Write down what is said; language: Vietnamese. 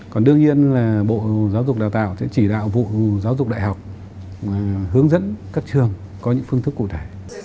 còn đương nhiên là bộ giáo dục đào tạo sẽ chỉ đạo vụ giáo dục đại học hướng dẫn các trường có những phương thức cụ thể